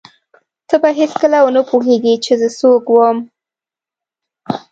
ته به هېڅکله ونه پوهېږې چې زه څوک وم.